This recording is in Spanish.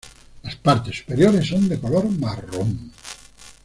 Las partes superiores son de color marrón.